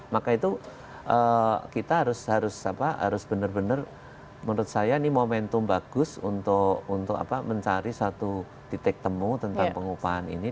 maka itu kita harus benar benar menurut saya ini momentum bagus untuk mencari satu titik temu tentang pengupahan ini